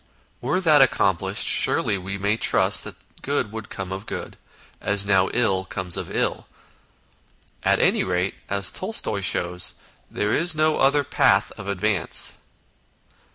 Were that accomplished, surely we may trust that good would come of good, as now ill comes of ill. At anyrate, as Tolstoy shows, there is no other path of advance.